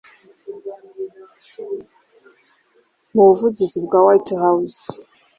mu buvugizi bwa White House.